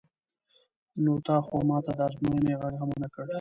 نو تا خو ما ته د ازموینې غږ هم نه کړ.